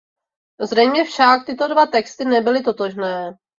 Zřejmě však tyto dva texty nebyly totožné.